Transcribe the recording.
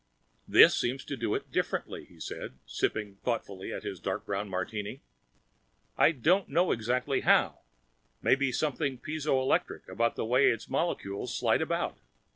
"This seems to do it differently," he said, sipping thoughtfully at his dark brown martini. "I don't know exactly how maybe something piezo electric about the way its molecules slide about.